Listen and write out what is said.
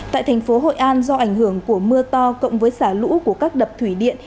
tại thành phố hội an do ảnh hưởng của mưa to cộng với xả lũ của các đập thủy điện